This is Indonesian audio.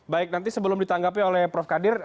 baik nanti sebelum ditanggapi oleh prof kadir